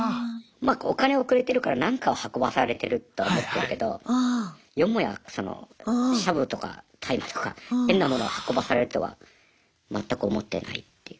まあお金をくれてるからなんかを運ばされてるとは思ってるけどよもやそのシャブとか大麻とか変な物を運ばされるとは全く思ってないっていう。